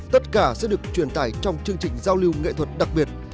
tất cả sẽ được truyền tải trong chương trình giao lưu nghệ thuật đặc biệt